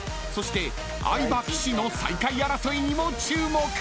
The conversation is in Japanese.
［そして相葉岸の最下位争いにも注目］